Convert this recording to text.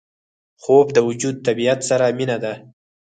خوب د وجود طبیعت سره مینه ده